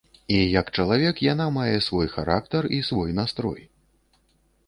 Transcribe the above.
І, як чалавек, яна мае свой характар і свой настрой.